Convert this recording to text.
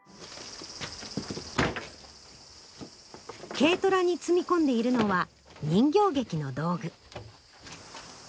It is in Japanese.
軽トラに積み込んでいるのは人形劇の道具。